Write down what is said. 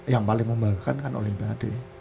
yang paling membanggakan kan olimpiade